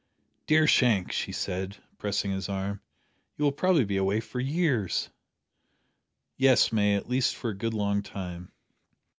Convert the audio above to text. "Dear Shank," she said, pressing his arm, "you will probably be away for years." "Yes, May at least for a good long time."